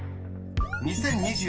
［２０２２年